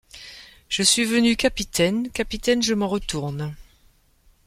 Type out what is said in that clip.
Je suis venu capitaine, capitaine je m’en retourne. ..